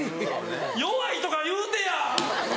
「弱い」とか言うてや。